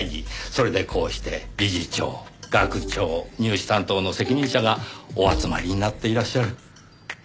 それでこうして理事長学長入試担当の責任者がお集まりになっていらっしゃる。